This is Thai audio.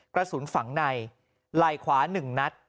กระสุนฝังในไหล่ขวา๑นัด